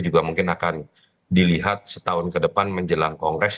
juga mungkin akan dilihat setahun ke depan menjelang kongres